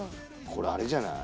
これあれじゃない？